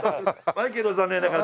マイケルは残念ながら。